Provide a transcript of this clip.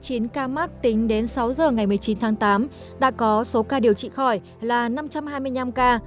trong chín trăm tám mươi chín ca mắc tính đến sáu giờ ngày một mươi chín tháng tám đã có số ca điều trị khỏi là năm trăm hai mươi năm ca